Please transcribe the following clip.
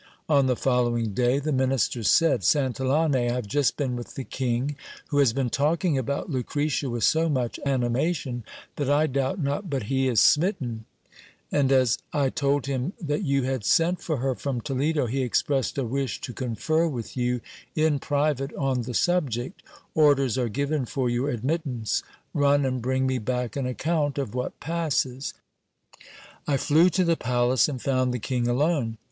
On the following day, the minister said : Santillane, I have just been with the king, who has been talking about Lucretia, with so much animation, that I doubt not but he is smitten : and, as I told him that you had sent for her from Toledo, he expressed a wish to confer with you in private on the subject : orders are given for your admittance ; run, i and bring me back an account of what passes. I flew to the palace, and found the king alone.